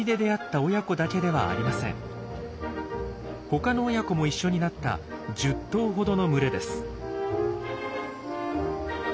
他の親子も一緒になった１０頭ほどの群れです。